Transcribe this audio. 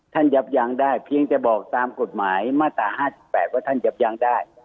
ยับยั้งได้เพียงแต่บอกตามกฎหมายมาตรา๕๘ว่าท่านยับยั้งได้